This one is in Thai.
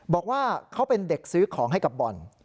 บอกว่าเขาเป็นเด็กซื้อของให้กับบ่อน